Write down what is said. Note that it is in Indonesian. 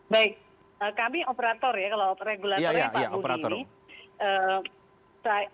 baik kami operator ya kalau regulatornya pak budi ini